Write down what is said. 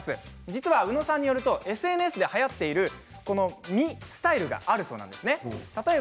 実は、宇野さんによるとＳＮＳで、はやっている「み」のスタイルがあるそうです。